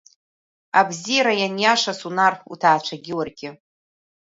Абзиара ианиаша, Сунар, уҭаацәагьы уаргьы.